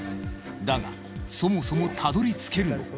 だがそもそもたどり着けるのか。